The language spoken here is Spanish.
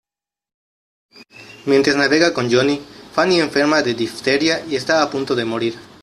Mientras navega con Johnny, Fanny enferma de difteria y está a punto de morir.